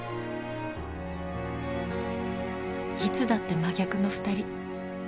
いつだって真逆の２人。